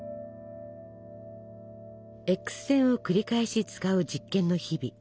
Ｘ線を繰り返し使う実験の日々。